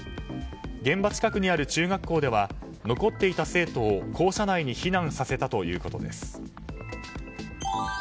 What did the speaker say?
現場近くにある中学校では残っていた生徒を校舎内に避難させたということです。